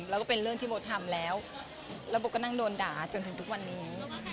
แล้วก็เป็นเรื่องที่โบทำแล้วแล้วโบก็นั่งโดนด่าจนถึงทุกวันนี้